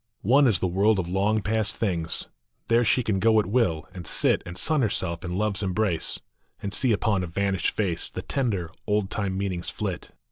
One is the world of long past things ; There she can go at will, and sit And sun herself in love s embrace, And see upon a vanished face The tender, old time meanings flit.